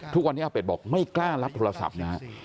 ทุกวันนี้อาเป็ดบอกไม่กล้ารับโทรศัพท์นะฮะ